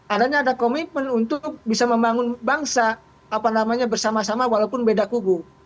artinya ada komitmen untuk bisa membangun bangsa apa namanya bersama sama walaupun beda kubu